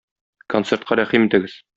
Концертка рәхим итегез!